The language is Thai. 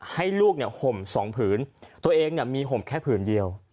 ให้ลูกเนี่ยห่มสองผืนตัวเองมีห่มแค่ผืนเดียว